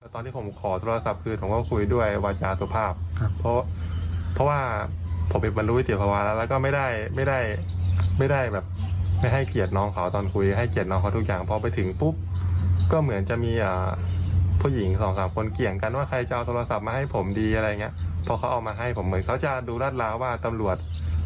ตอนที่ผมขอโทรศัพท์คืนผมก็คุยด้วยวาจาสุภาพครับเพราะว่าผมไปบรรลุวิติภาวะแล้วแล้วก็ไม่ได้ไม่ได้แบบไม่ให้เกียรติน้องเขาตอนคุยให้เกียรติน้องเขาทุกอย่างพอไปถึงปุ๊บก็เหมือนจะมีผู้หญิงสองสามคนเกี่ยงกันว่าใครจะเอาโทรศัพท์มาให้ผมดีอะไรอย่างเงี้ยเพราะเขาเอามาให้ผมเหมือนเขาจะดูรัดราวว่าตำรวจ